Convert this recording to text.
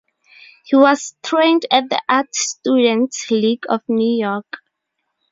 He was trained at the Art Students League of New York.